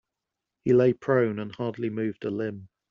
He lay prone and hardly moved a limb.